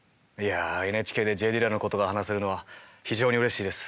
いやＮＨＫでＪ・ディラのことが話せるのは非常にうれしいです。